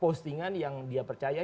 postingan yang dia percaya